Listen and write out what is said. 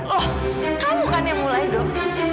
oh kamu kan yang mulai dong